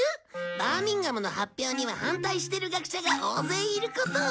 バーミンガムの発表には反対してる学者が大勢いることを。